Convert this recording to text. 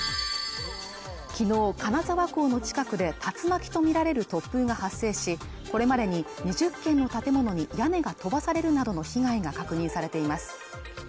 昨日、金沢港の近くで竜巻とみられる突風が発生しこれまでに２０軒の建物に屋根が飛ばされるなどの被害が確認されています